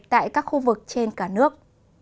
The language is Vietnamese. tại các khu vực trên cả nước